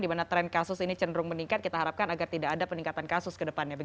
di mana tren kasus ini cenderung meningkat kita harapkan agar tidak ada peningkatan kasus ke depannya